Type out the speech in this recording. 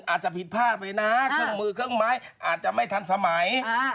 อาจจะผิดพลาดไปนะเครื่องมือเครื่องไม้อาจจะไม่ทันสมัย